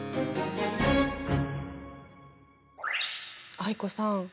藍子さん